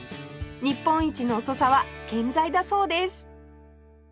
日本一の遅さは健在だそうです